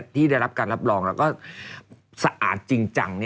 ที่ได้รับการรับรองแล้วก็สะอาดจริงจัง